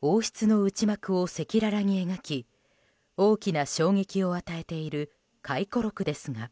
王室の内幕を赤裸々に描き大きな衝撃を与えている回顧録ですが。